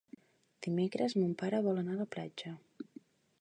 Dimecres mon pare vol anar a la platja.